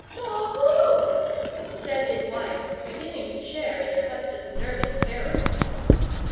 "Saw WHO?" said his wife, beginning to share in her husband's nervous terror.